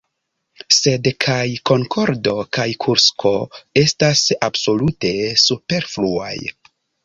Sed kaj Konkordo kaj Kursko estas absolute superfluaj.